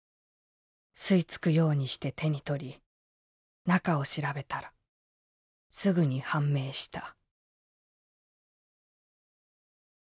吸い付くようにして手に取り中を調べたらすぐに判明した」。